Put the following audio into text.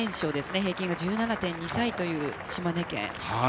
平均が１７．２歳という島根県。